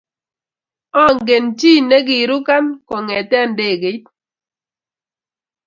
Angen chi nikirukan kongete ndegeit.